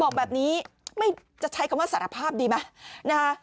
บอกแบบนี้ไม่จะใช้คำว่าสารภาพดีไหมนะฮะ